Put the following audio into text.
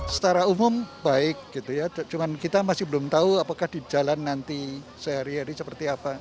secara umum baik gitu ya cuman kita masih belum tahu apakah di jalan nanti sehari hari seperti apa